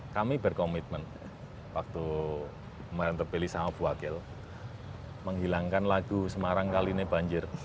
kami berkomitmen waktu kemarin terpilih sama bu wakil menghilangkan lagu semarang kali ini banjir